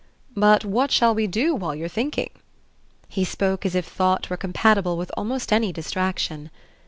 "But what shall we do while you're thinking?" He spoke as if thought were compatible with almost any distraction.